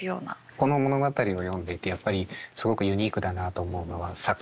この物語を読んでいてやっぱりすごくユニークだなと思うのは作者の視点が。